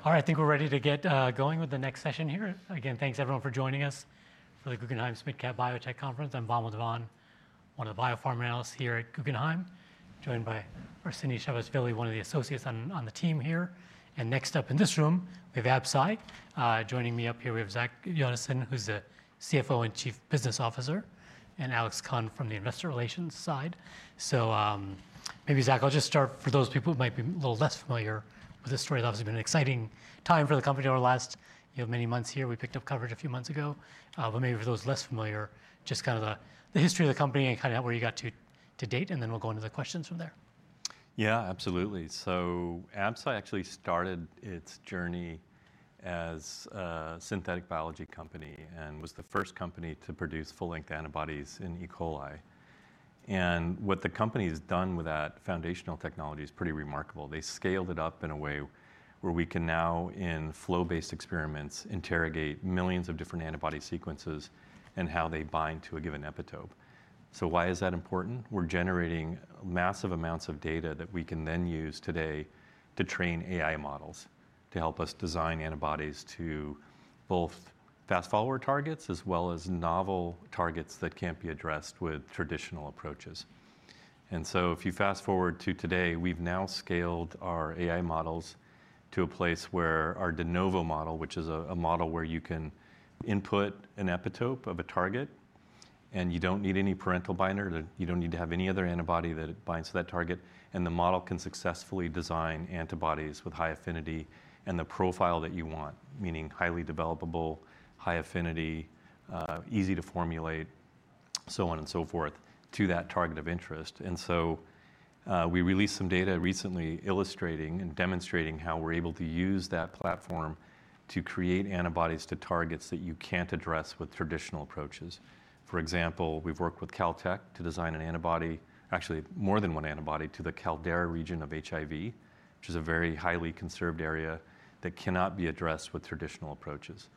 Okay. All right, I think we're ready to get going with the next session here. Again, thanks everyone for joining us for the Guggenheim SmallCap Biotech Conference. I'm Vamil Divan, one of the biopharma analysts here at Guggenheim, joined by Arseni Serebritski, one of the associates on the team here. And next up in this room, we have Absci joining me up here. We have Zach Jonasson, who's the CFO and Chief Business Officer, and Alex Khan from the Investor Relations side. So maybe, Zach, I'll just start for those people who might be a little less familiar with this story. Obviously, it's been an exciting time for the company over the last many months here. We picked up coverage a few months ago. But maybe for those less familiar, just kind of the history of the company and kind of where you got to date, and then we'll go into the questions from there. Yeah, absolutely. So Absci actually started its journey as a synthetic biology company and was the first company to produce full-length antibodies in E. coli. And what the company has done with that foundational technology is pretty remarkable. They scaled it up in a way where we can now, in flow-based experiments, interrogate millions of different antibody sequences and how they bind to a given epitope. So why is that important? We're generating massive amounts of data that we can then use today to train AI models to help us design antibodies to both fast-follower targets as well as novel targets that can't be addressed with traditional approaches. If you fast forward to today, we've now scaled our AI models to a place where our de novo model, which is a model where you can input an epitope of a target, and you don't need any parental binder, you don't need to have any other antibody that binds to that target, and the model can successfully design antibodies with high affinity and the profile that you want, meaning highly developable, high affinity, easy to formulate, so on and so forth, to that target of interest. We released some data recently illustrating and demonstrating how we're able to use that platform to create antibodies to targets that you can't address with traditional approaches. For example, we've worked with Caltech to design an antibody, actually more than one antibody, to the caldera region of HIV, which is a very highly conserved area that cannot be addressed with traditional approaches.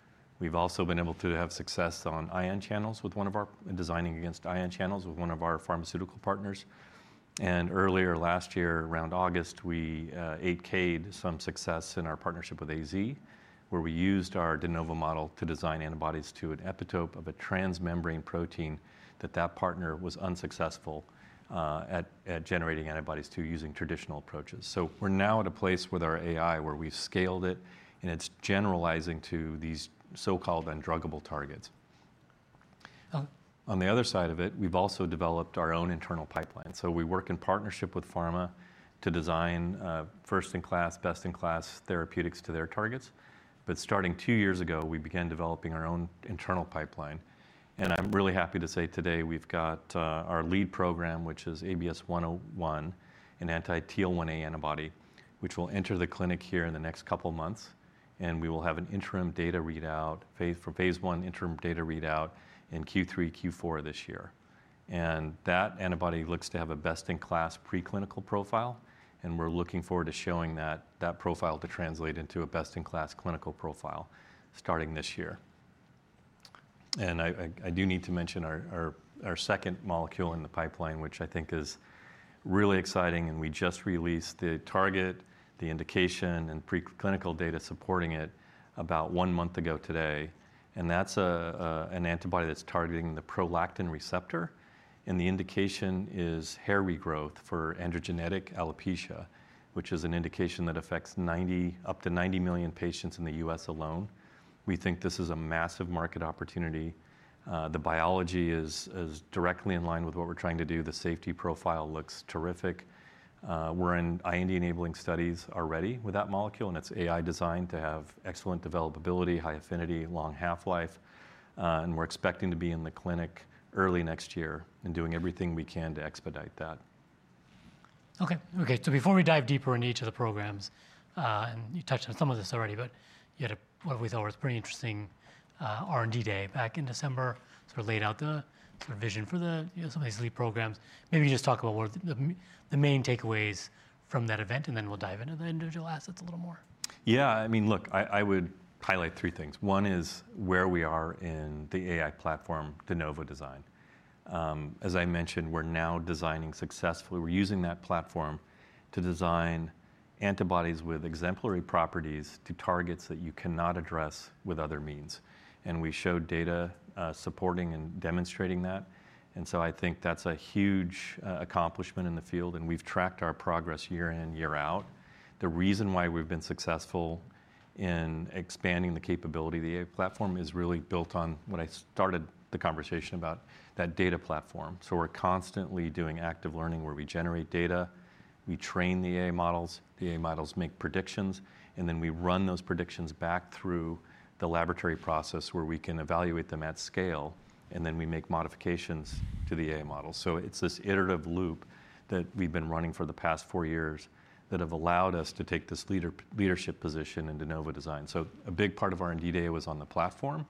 We've also been able to have success designing against ion channels with one of our pharmaceutical partners. And earlier last year, around August, we 8-K'd some success in our partnership with AZ, where we used our de novo model to design antibodies to an epitope of a transmembrane protein that the partner was unsuccessful at generating antibodies to using traditional approaches. So we're now at a place with our AI where we've scaled it, and it's generalizing to these so-called undruggable targets. On the other side of it, we've also developed our own internal pipeline. We work in partnership with pharma to design first-in-class, best-in-class therapeutics to their targets. But starting two years ago, we began developing our own internal pipeline. I'm really happy to say today we've got our lead program, which is ABS-101, an anti-TL1A antibody, which will enter the clinic here in the next couple of months. We will have an interim data readout for Phase 1, interim data readout in Q3, Q4 this year. That antibody looks to have a best-in-class preclinical profile, and we're looking forward to showing that profile to translate into a best-in-class clinical profile starting this year. I do need to mention our second molecule in the pipeline, which I think is really exciting. We just released the target, the indication, and preclinical data supporting it about one month ago today. That's an antibody that's targeting the prolactin receptor. The indication is hair regrowth for androgenetic alopecia, which is an indication that affects up to 90 million patients in the U.S. alone. We think this is a massive market opportunity. The biology is directly in line with what we're trying to do. The safety profile looks terrific. We're in IND-enabling studies already with that molecule, and it's AI-designed to have excellent developability, high affinity, long half-life. We're expecting to be in the clinic early next year and doing everything we can to expedite that. Okay. Okay. So before we dive deeper into each of the programs, and you touched on some of this already, but you had a, what we thought was a pretty interesting R&D Day back in December, sort of laid out the vision for some of these lead programs. Maybe you just talk about what were the main takeaways from that event, and then we'll dive into the individual assets a little more. Yeah. I mean, look, I would highlight three things. One is where we are in the AI platform de novo design. As I mentioned, we're now designing successfully. We're using that platform to design antibodies with exemplary properties to targets that you cannot address with other means. And we showed data supporting and demonstrating that. And so I think that's a huge accomplishment in the field. And we've tracked our progress year in, year out. The reason why we've been successful in expanding the capability of the AI platform is really built on what I started the conversation about, that data platform. So we're constantly doing active learning where we generate data, we train the AI models, the AI models make predictions, and then we run those predictions back through the laboratory process where we can evaluate them at scale, and then we make modifications to the AI model. It's this iterative loop that we've been running for the past four years that have allowed us to take this leadership position in de novo design. A big part of our R&D Day was on the platform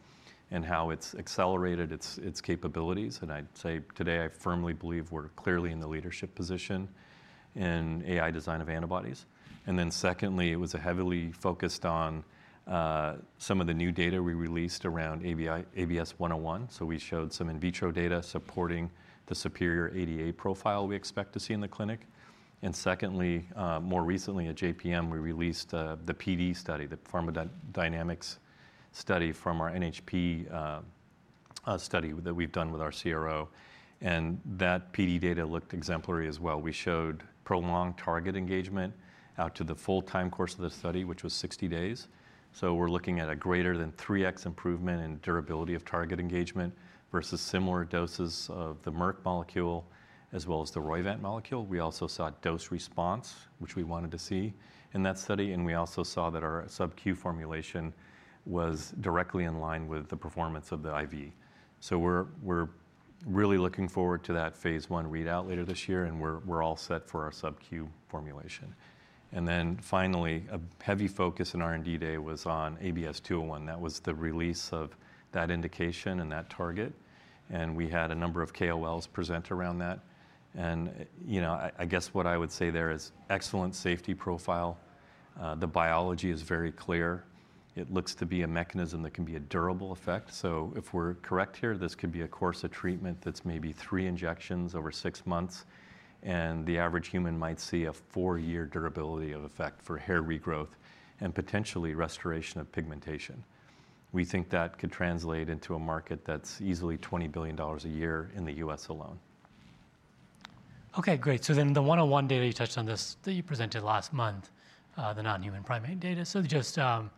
and how it's accelerated its capabilities. I'd say today I firmly believe we're clearly in the leadership position in AI design of antibodies. Then secondly, it was heavily focused on some of the new data we released around ABS-101. We showed some in vitro data supporting the superior ADA profile we expect to see in the clinic. Secondly, more recently, at JPM, we released the PD study, the pharmacodynamics study from our NHP study that we've done with our CRO. That PD data looked exemplary as well. We showed prolonged target engagement out to the full-time course of the study, which was 60 days. We're looking at a greater than 3x improvement in durability of target engagement versus similar doses of the Merck molecule as well as the Roivant molecule. We also saw dose response, which we wanted to see in that study. We also saw that our subQ formulation was directly in line with the performance of the IV. We're really looking forward to that Phase 1 readout later this year, and we're all set for our subQ formulation. Finally, a heavy focus in our R&D Day was on ABS-201. That was the release of that indication and that target. I guess what I would say there is excellent safety profile. The biology is very clear. It looks to be a mechanism that can be a durable effect. So if we're correct here, this could be a course of treatment that's maybe three injections over six months. And the average human might see a four-year durability of effect for hair regrowth and potentially restoration of pigmentation. We think that could translate into a market that's easily $20 billion a year in the U.S. alone. Okay. Great. So then the 101 data you touched on this that you presented last month, the non-human primate data. So just sounds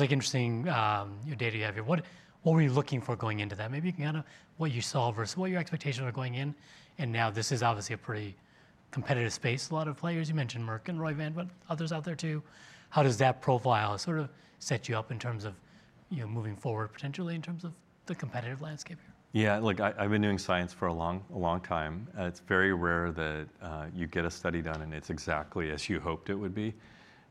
like interesting data you have here. What were you looking for going into that? Maybe kind of what you saw versus what your expectations were going in. And now this is obviously a pretty competitive space. A lot of players. You mentioned Merck and Roivant, but others out there too. How does that profile sort of set you up in terms of moving forward potentially in terms of the competitive landscape here? Yeah. Look, I've been doing science for a long, long time. It's very rare that you get a study done and it's exactly as you hoped it would be.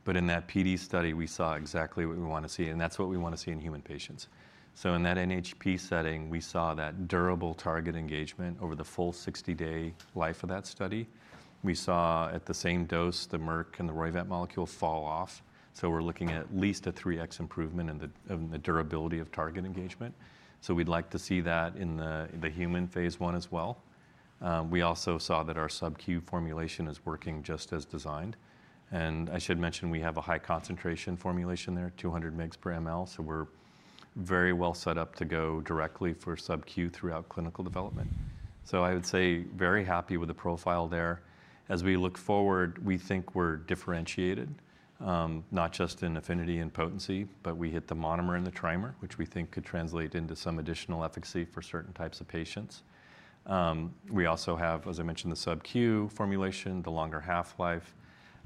But in that PD study, we saw exactly what we want to see. And that's what we want to see in human patients. So in that NHP setting, we saw that durable target engagement over the full 60-day life of that study. We saw at the same dose, the Merck and the Roivant molecule fall off. So we're looking at at least a 3x improvement in the durability of target engagement. So we'd like to see that in the human Phase one as well. We also saw that our subQ formulation is working just as designed. And I should mention we have a high concentration formulation there, 200 mg per mL. We're very well set up to go directly for subQ throughout clinical development. I would say very happy with the profile there. As we look forward, we think we're differentiated, not just in affinity and potency, but we hit the monomer and the trimer, which we think could translate into some additional efficacy for certain types of patients. We also have, as I mentioned, the subQ formulation, the longer half-life.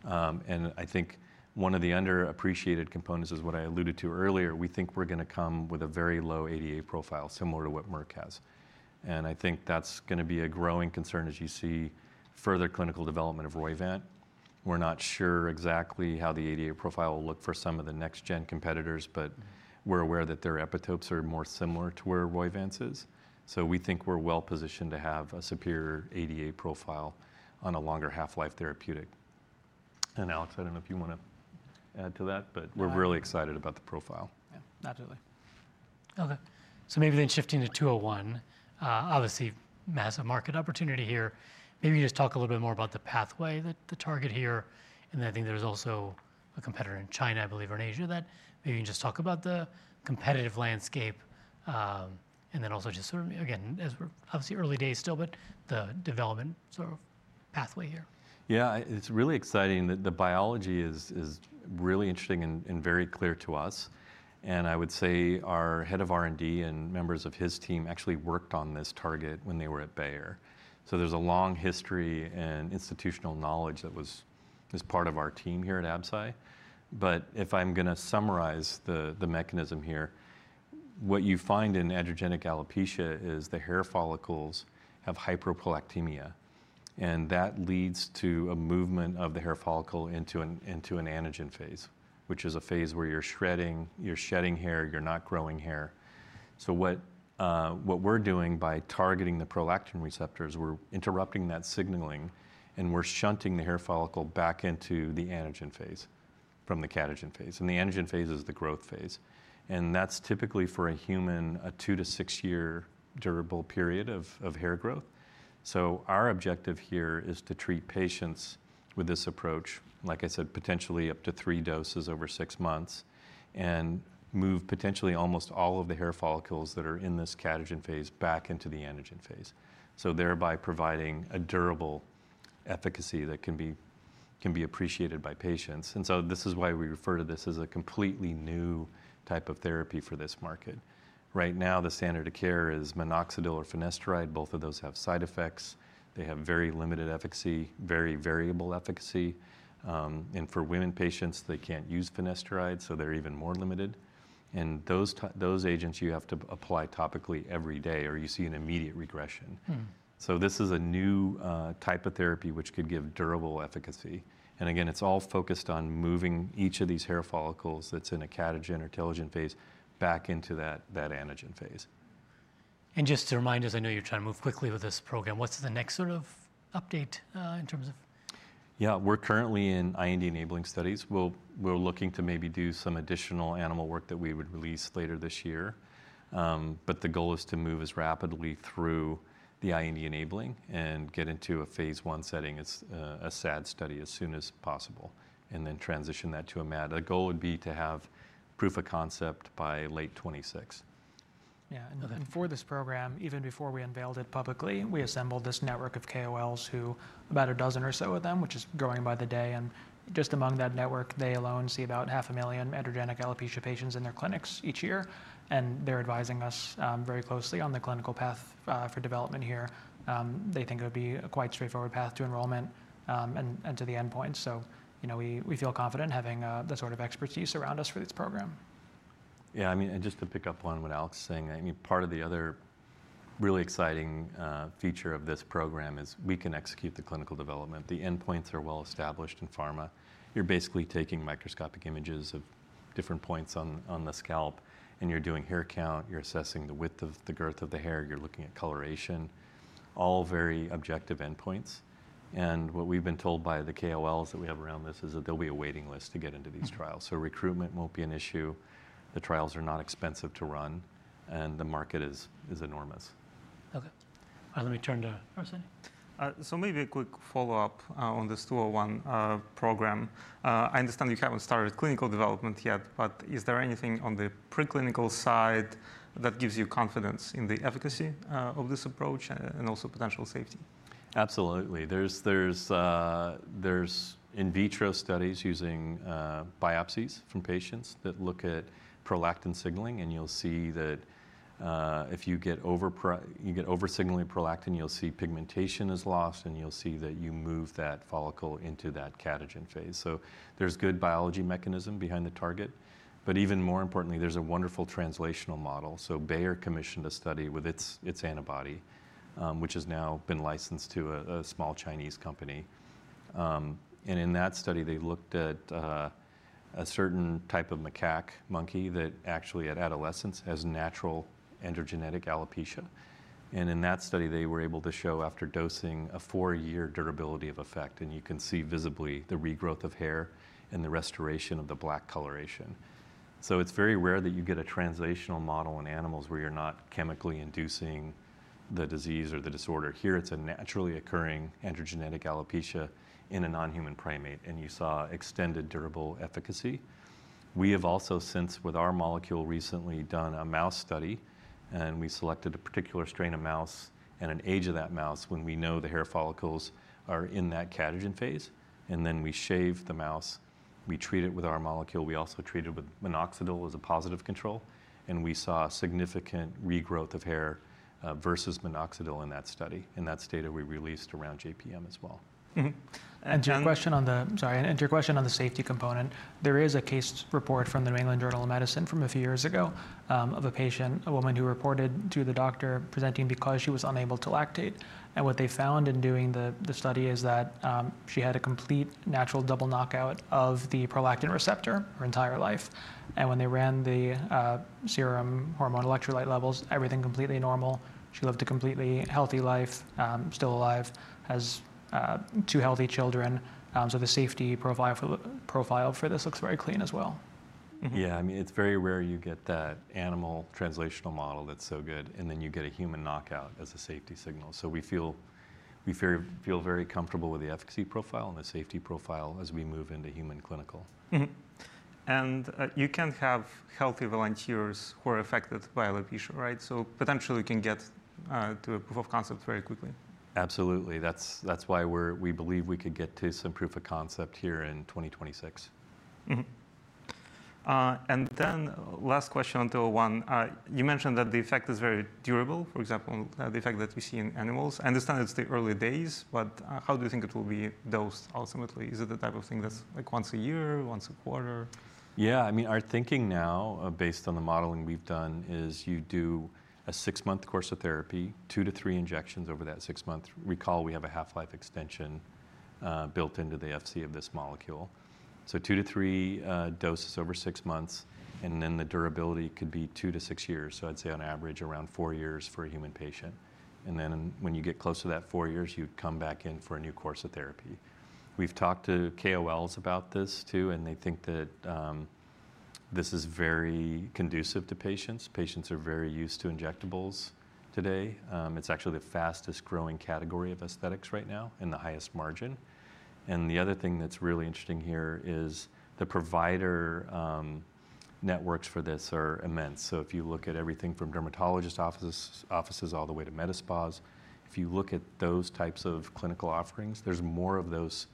And I think one of the underappreciated components is what I alluded to earlier. We think we're going to come with a very low ADA profile, similar to what Merck has. And I think that's going to be a growing concern as you see further clinical development of Roivant. We're not sure exactly how the ADA profile will look for some of the next-gen competitors, but we're aware that their epitopes are more similar to where Roivant's is. So we think we're well positioned to have a superior ADA profile on a longer half-life therapeutic. And Alex, I don't know if you want to add to that, but we're really excited about the profile. Yeah. Not totally. Okay. So maybe then shifting to 201, obviously massive market opportunity here. Maybe you just talk a little bit more about the pathway that the target here. And then I think there's also a competitor in China, I believe, or in Asia that maybe you can just talk about the competitive landscape and then also just sort of, again, obviously early days still, but the development sort of pathway here. Yeah. It's really exciting. The biology is really interesting and very clear to us. And I would say our head of R&D and members of his team actually worked on this target when they were at Bayer. So there's a long history and institutional knowledge that was part of our team here at Absci. But if I'm going to summarize the mechanism here, what you find in androgenetic alopecia is the hair follicles have hyperprolactinemia. And that leads to a movement of the hair follicle into an anagen phase, which is a phase where you're shedding hair, you're not growing hair. So what we're doing by targeting the prolactin receptors, we're interrupting that signaling, and we're shunting the hair follicle back into the anagen phase from the catagen phase. And the anagen phase is the growth phase. That's typically for a human a two to six-year durable period of hair growth. Our objective here is to treat patients with this approach, like I said, potentially up to three doses over six months and move potentially almost all of the hair follicles that are in this catagen phase back into the anagen phase, so thereby providing a durable efficacy that can be appreciated by patients. This is why we refer to this as a completely new type of therapy for this market. Right now, the standard of care is minoxidil or finasteride. Both of those have side effects. They have very limited efficacy, very variable efficacy. For women patients, they can't use finasteride, so they're even more limited. Those agents you have to apply topically every day or you see an immediate regression. This is a new type of therapy which could give durable efficacy. And again, it's all focused on moving each of these hair follicles that's in a catagen or telogen phase back into that anagen phase. Just to remind us, I know you're trying to move quickly with this program. What's the next sort of update in terms of? Yeah. We're currently in IND-enabling studies. We're looking to maybe do some additional animal work that we would release later this year. But the goal is to move as rapidly through the IND-enabling and get into a Phase 1 setting. It's a SAD study as soon as possible and then transition that to a MAD. The goal would be to have proof of concept by late 2026. Yeah. For this program, even before we unveiled it publicly, we assembled this network of KOLs who, about a dozen or so of them, which is growing by the day. Just among that network, they alone see about 500,000 androgenetic alopecia patients in their clinics each year. They're advising us very closely on the clinical path for development here. They think it would be a quite straightforward path to enrollment and to the endpoint. So we feel confident in having the sort of expertise around us for this program. Yeah. I mean, and just to pick up on what Alex is saying, I mean, part of the other really exciting feature of this program is we can execute the clinical development. The endpoints are well established in pharma. You're basically taking microscopic images of different points on the scalp, and you're doing hair count. You're assessing the width of the girth of the hair. You're looking at coloration. All very objective endpoints. And what we've been told by the KOLs that we have around this is that there'll be a waiting list to get into these trials. So recruitment won't be an issue. The trials are not expensive to run, and the market is enormous. Okay. Let me turn to our study. So maybe a quick follow-up on this 201 program. I understand you haven't started clinical development yet, but is there anything on the preclinical side that gives you confidence in the efficacy of this approach and also potential safety? Absolutely. There's in vitro studies using biopsies from patients that look at prolactin signaling, and you'll see that if you get over-signaling prolactin, you'll see pigmentation is lost, and you'll see that you move that follicle into that catagen phase, so there's good biology mechanism behind the target, but even more importantly, there's a wonderful translational model, so Bayer commissioned a study with its antibody, which has now been licensed to a small Chinese company, and in that study, they looked at a certain type of macaque monkey that actually at adolescence has natural androgenetic alopecia, and in that study, they were able to show after dosing a four-year durability of effect, and you can see visibly the regrowth of hair and the restoration of the black coloration, so it's very rare that you get a translational model in animals where you're not chemically inducing the disease or the disorder. Here, it's a naturally occurring androgenetic alopecia in a non-human primate. And you saw extended durable efficacy. We have also since with our molecule recently done a mouse study. And we selected a particular strain of mouse, and an age of that mouse when we know the hair follicles are in that catagen phase. And then we shave the mouse. We treat it with our molecule. We also treated it with minoxidil as a positive control. And we saw significant regrowth of hair versus minoxidil in that study. And that's data we released around JPM as well. And your question on the safety component, there is a case report from the New England Journal of Medicine from a few years ago of a patient, a woman who reported to the doctor presenting because she was unable to lactate. And what they found in doing the study is that she had a complete natural double knockout of the prolactin receptor her entire life. And when they ran the serum hormone electrolyte levels, everything completely normal. She lived a completely healthy life, still alive, has two healthy children. So the safety profile for this looks very clean as well. Yeah. I mean, it's very rare you get that animal translational model that's so good, and then you get a human knockout as a safety signal. So we feel very comfortable with the efficacy profile and the safety profile as we move into human clinical. You can't have healthy volunteers who are affected by alopecia, right? Potentially you can get to a proof of concept very quickly. Absolutely. That's why we believe we could get to some proof of concept here in 2026. And then last question on 201. You mentioned that the effect is very durable, for example, the effect that we see in animals. I understand it's the early days, but how do you think it will be dosed ultimately? Is it the type of thing that's like once a year, once a quarter? Yeah. I mean, our thinking now based on the modeling we've done is you do a six-month course of therapy, two to three injections over that six month. Recall we have a half-life extension built into the Fc of this molecule. So two to three doses over six months. And then the durability could be two to six years. So I'd say on average around four years for a human patient. And then when you get close to that four years, you'd come back in for a new course of therapy. We've talked to KOLs about this too, and they think that this is very conducive to patients. Patients are very used to injectables today. It's actually the fastest growing category of aesthetics right now and the highest margin. And the other thing that's really interesting here is the provider networks for this are immense. If you look at everything from dermatologist offices all the way to med spas, if you look at those types of clinical offerings, there's more of those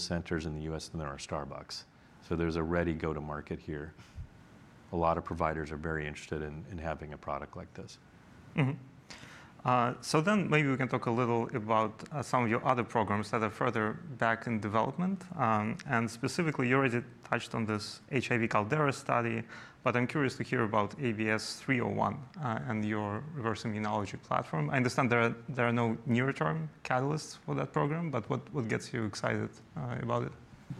centers in the U.S. than there are Starbucks. There's a ready go-to-market here. A lot of providers are very interested in having a product like this. So then maybe we can talk a little about some of your other programs that are further back in development. Specifically, you already touched on this HIV caldera study, but I'm curious to hear about ABS-301 and your reverse immunology platform. I understand there are no near-term catalysts for that program, but what gets you excited about it?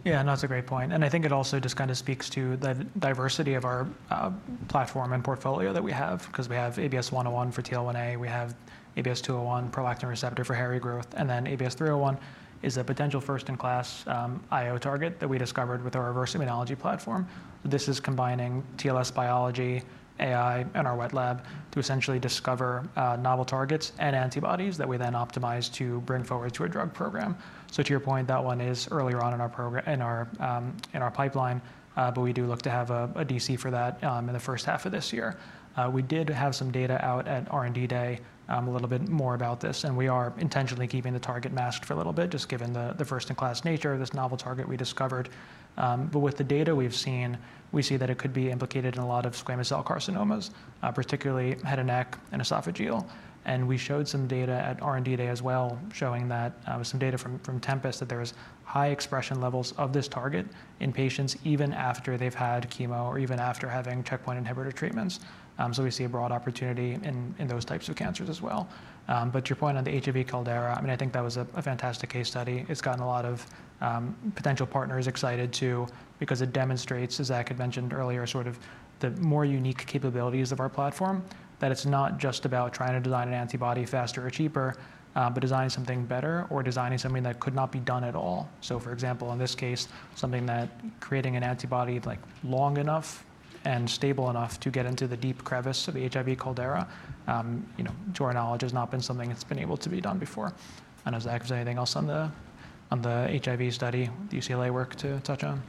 Yeah. And that's a great point. And I think it also just kind of speaks to the diversity of our platform and portfolio that we have because we have ABS-101 for TL1A. We have ABS-201, prolactin receptor for hair regrowth. And then ABS-301 is a potential first-in-class IO target that we discovered with our reverse immunology platform. This is combining TLS biology, AI, and our wet lab to essentially discover novel targets and antibodies that we then optimize to bring forward to a drug program. So to your point, that one is earlier on in our pipeline, but we do look to have a DC for that in the first half of this year. We did have some data out at R&D Day a little bit more about this, and we are intentionally keeping the target masked for a little bit just given the first-in-class nature of this novel target we discovered. But with the data we've seen, we see that it could be implicated in a lot of squamous cell carcinomas, particularly head and neck and esophageal. And we showed some data at R&D Day as well showing that with some data from Tempus that there's high expression levels of this target in patients even after they've had chemo or even after having checkpoint inhibitor treatments. So we see a broad opportunity in those types of cancers as well. But to your point on the HIV caldera, I mean, I think that was a fantastic case study. It's gotten a lot of potential partners excited too because it demonstrates, as I had mentioned earlier, sort of the more unique capabilities of our platform, that it's not just about trying to design an antibody faster or cheaper, but designing something better or designing something that could not be done at all. So for example, in this case, something that creating an antibody long enough and stable enough to get into the deep crevice of the HIV caldera, to our knowledge, has not been something that's been able to be done before. And does that give us anything else on the HIV study, the UCLA work to touch on?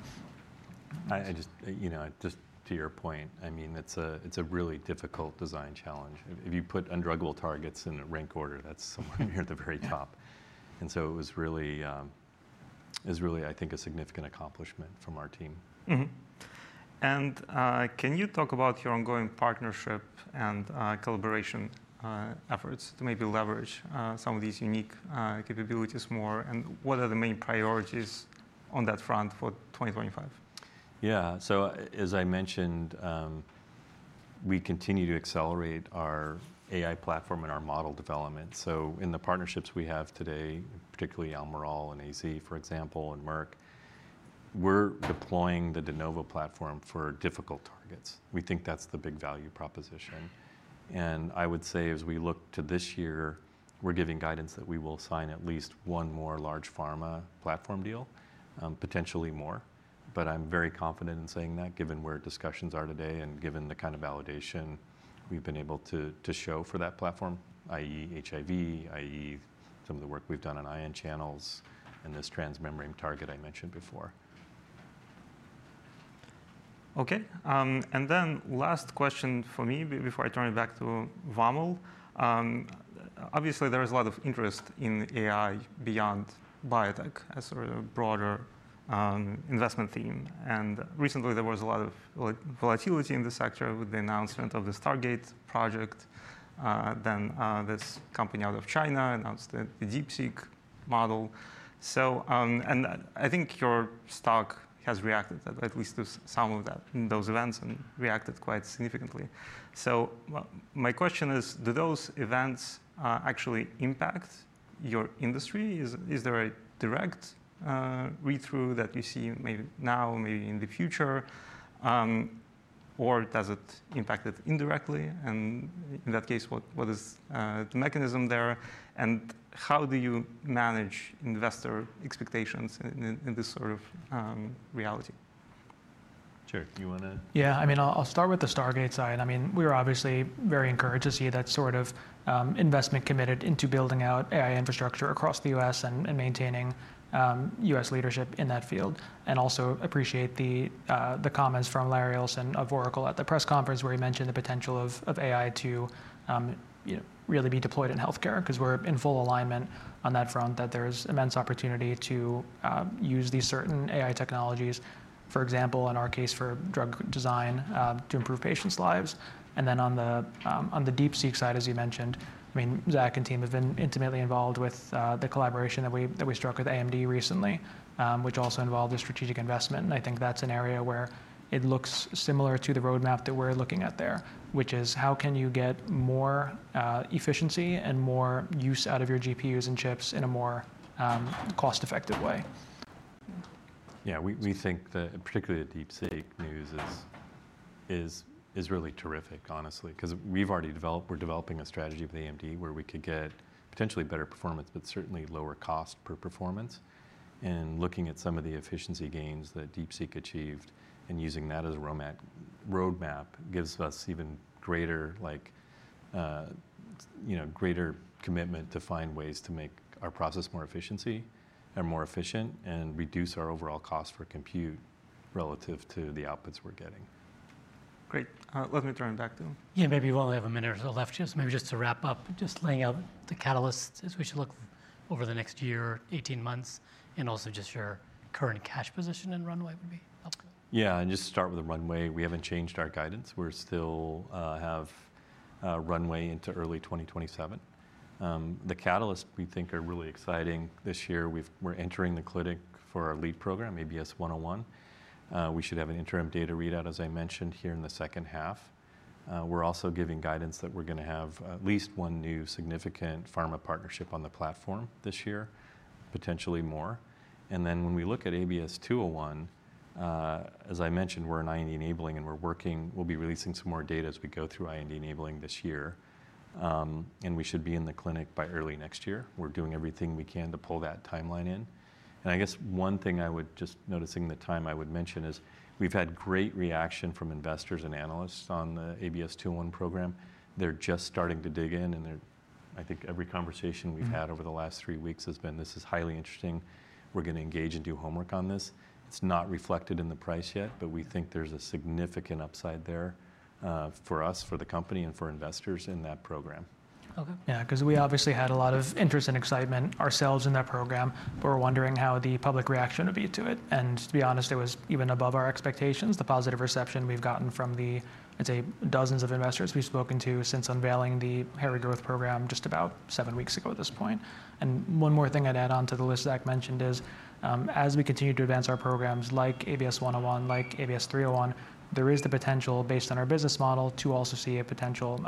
Just to your point, I mean, it's a really difficult design challenge. If you put undruggable targets in a rank order, that's somewhere near the very top, and so it was really, I think, a significant accomplishment from our team. Can you talk about your ongoing partnership and collaboration efforts to maybe leverage some of these unique capabilities more? What are the main priorities on that front for 2025? Yeah. So as I mentioned, we continue to accelerate our AI platform and our model development. So in the partnerships we have today, particularly Almirall and AZ, for example, and Merck, we're deploying the de novo platform for difficult targets. We think that's the big value proposition. And I would say as we look to this year, we're giving guidance that we will sign at least one more large pharma platform deal, potentially more. But I'm very confident in saying that given where discussions are today and given the kind of validation we've been able to show for that platform, i.e., HIV, i.e., some of the work we've done on ion channels and this transmembrane target I mentioned before. Okay. Then last question for me before I turn it back to Vamil. Obviously, there is a lot of interest in AI beyond biotech as a broader investment theme. And recently, there was a lot of volatility in the sector with the announcement of the Stargate project. Then this company out of China announced the DeepSeek model. And I think your stock has reacted at least to some of those events and reacted quite significantly. So my question is, do those events actually impact your industry? Is there a direct read-through that you see maybe now, maybe in the future, or does it impact it indirectly? And in that case, what is the mechanism there? And how do you manage investor expectations in this sort of reality? Sure. Do you want to? Yeah. I mean, I'll start with the Stargate side. I mean, we were obviously very encouraged to see that sort of investment committed into building out AI infrastructure across the U.S. and maintaining U.S. leadership in that field. And also appreciate the comments from Larry Ellison of Oracle at the press conference where he mentioned the potential of AI to really be deployed in healthcare because we're in full alignment on that front that there's immense opportunity to use these certain AI technologies, for example, in our case for drug design to improve patients' lives. And then on the DeepSeek side, as you mentioned, I mean, Zach and team have been intimately involved with the collaboration that we struck with AMD recently, which also involved a strategic investment. I think that's an area where it looks similar to the roadmap that we're looking at there, which is how can you get more efficiency and more use out of your GPUs and chips in a more cost-effective way? Yeah. We think that particularly the DeepSeek news is really terrific, honestly, because we're developing a strategy with AMD where we could get potentially better performance, but certainly lower cost per performance, and looking at some of the efficiency gains that DeepSeek achieved and using that as a roadmap gives us even greater commitment to find ways to make our process more efficiency and more efficient and reduce our overall cost for compute relative to the outputs we're getting. Great. Let me turn it back to you. Yeah. Maybe while we have a minute or so left, just maybe to wrap up, just laying out the catalysts as we should look over the next year, 18 months, and also just your current cash position and runway would be helpful. Yeah, and just start with the runway. We haven't changed our guidance. We still have runway into early 2027. The catalysts we think are really exciting this year. We're entering the clinic for our lead program, ABS-101. We should have an interim data readout, as I mentioned, here in the second half. We're also giving guidance that we're going to have at least one new significant pharma partnership on the platform this year, potentially more. And then when we look at ABS-201, as I mentioned, we're in IND-enabling and we'll be releasing some more data as we go through IND-enabling this year. And we should be in the clinic by early next year. We're doing everything we can to pull that timeline in. And I guess one thing I would just noticing the time I would mention is we've had great reaction from investors and analysts on the ABS-201 program. They're just starting to dig in. And I think every conversation we've had over the last three weeks has been, this is highly interesting. We're going to engage and do homework on this. It's not reflected in the price yet, but we think there's a significant upside there for us, for the company, and for investors in that program. Yeah. Because we obviously had a lot of interest and excitement ourselves in that program, but we're wondering how the public reaction would be to it, and to be honest, it was even above our expectations, the positive reception we've gotten from the, I'd say, dozens of investors we've spoken to since unveiling the hair regrowth program just about seven weeks ago at this point, and one more thing I'd add on to the list Zach mentioned is as we continue to advance our programs like ABS-101, like ABS-301, there is the potential based on our business model to also see a potential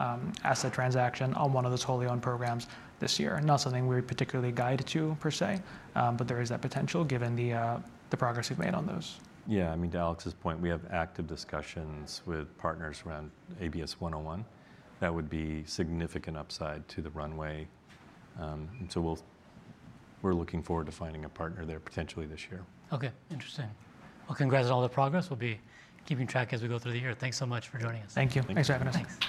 asset transaction on one of those wholly owned programs this year. Not something we're particularly guided to per se, but there is that potential given the progress we've made on those. Yeah. I mean, to Alex's point, we have active discussions with partners around ABS-101. That would be significant upside to the runway. And so we're looking forward to finding a partner there potentially this year. Okay. Interesting. Well, congrats on all the progress. We'll be keeping track as we go through the year. Thanks so much for joining us. Thank you. Thanks for having us.